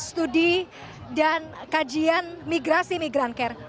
yang sudah studi dan kajian migrasi migrancare